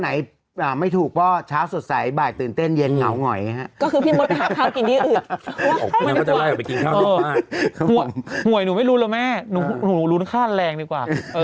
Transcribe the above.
ซื้อแบบเป็นแบบว่าซื้อ๑๐งวดถูกก็๒งวด๘งวดก็ไม่ต้องกินข้าวออกไปกินข้าวนอกบ้าน